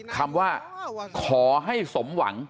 คำว่าขอให้สมหวัง